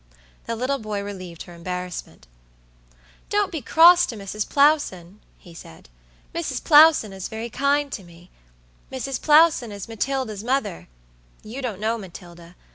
The little boy relieved her embarrassment. "Don't be cross to Mrs. Plowson," he said. "Mrs. Plowson is very kind to me. Mrs. Plowson is Matilda's mother. You don't know Matilda.